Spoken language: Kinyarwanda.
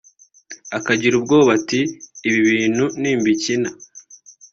akagira ubwoba ati ‘ibi bintu nimbikina